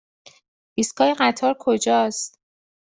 ایستگاه قطار کجاست؟